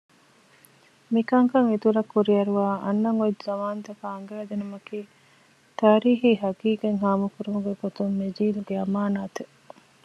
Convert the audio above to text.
މިކަންކަން އިތުރަށް ކުރިއަރުވައި އަންނަން އޮތް ޒަމާންތަކަށް އަންގައިދިނުމަކީ ތާރީޚީ ޙަޤީޤަތް ހާމަކުރުމުގެ ގޮތުން މި ޖީލުގެ އަމާނާތެއް